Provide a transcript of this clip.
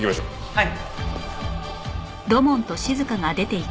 はい。